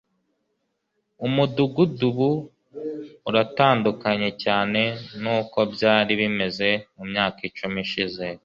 umudugudu ubu uratandukanye cyane nuko byari bimeze mumyaka icumi ishize